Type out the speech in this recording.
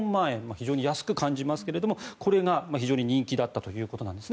非常に安く感じますがこれが非常に人気だったということです。